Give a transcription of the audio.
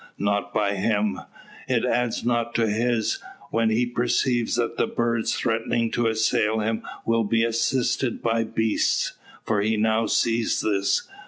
Not by him. It adds not to his, when he perceives that the birds threatening to assail him will be assisted by beasts. For he now sees this.